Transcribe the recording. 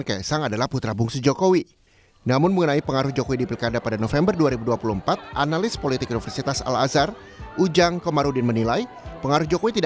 ketua umum presiden jokowi yang menyebut ayahnya akan membantu para kader psi yang maju dalam pilkada